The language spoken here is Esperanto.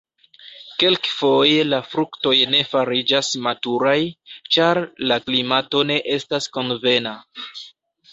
Kelkfoje la fruktoj ne fariĝas maturaj, ĉar la klimato ne estas konvena.